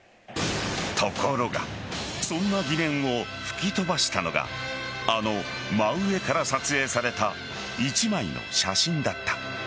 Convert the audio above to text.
ところがそんな疑念を吹き飛ばしたのがあの真上から撮影された一枚の写真だった。